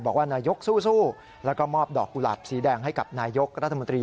บอกว่านายกสู้แล้วก็มอบดอกกุหลาบสีแดงให้กับนายกรัฐมนตรี